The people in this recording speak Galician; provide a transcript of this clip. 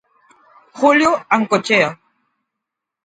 Julio Ancochea.